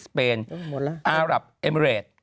สเปนอารับเอเมริด